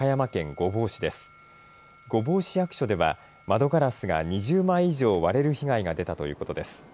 御坊市役所では、窓ガラスが２０枚以上割れる被害が出たということです。